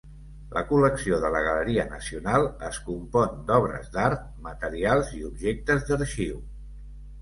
La col·lecció de la Galeria Nacional es compon d'obres d'art, materials i objectes d'arxiu.